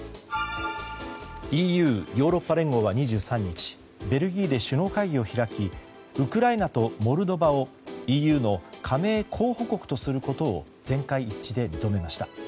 ＥＵ・ヨーロッパ連合は２３日ベルギーで首脳会議を開きウクライナとモルドバをＥＵの加盟候補国とすることを全会一致で認めました。